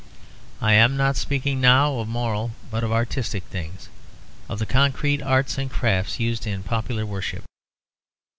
I am not speaking now of moral but of artistic things; of the concrete arts and crafts used in popular worship.